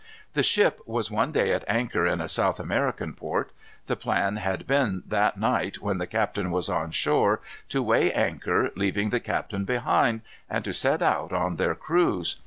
The ship was one day at anchor in a South American port. The plan had been, that night, when the captain was on shore, to weigh anchor, leaving the captain behind, and to set out on their cruise.